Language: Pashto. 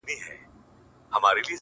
خدايه هغه داسي نه وه؛